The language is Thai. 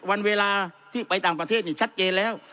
วันเวลาที่ไปต่างประเทศนี่ชัดเจนแล้ว